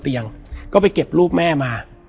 แล้วสักครั้งหนึ่งเขารู้สึกอึดอัดที่หน้าอก